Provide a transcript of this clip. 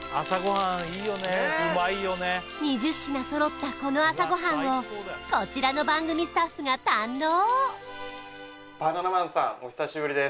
２０品そろったこの朝ごはんをこちらの番組スタッフが堪能！